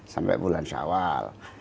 sampai bulan sawal